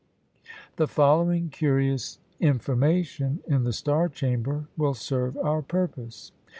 The following curious "information" in the Star Chamber will serve our purpose.